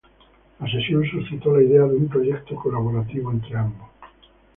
La sesión suscitó la idea de un proyecto colaborativo entre ambos.